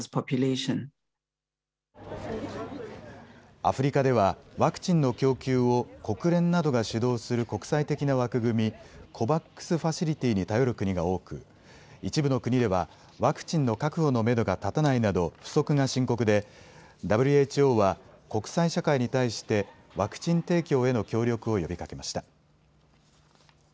アフリカではワクチンの供給を国連などが主導する国際的な枠組み、ＣＯＶＡＸファシリティに頼る国が多く、一部の国ではワクチンの確保のめどが立たないなど不足が深刻でＷＨＯは国際社会に対してワクチン提供への協力を呼びかけました。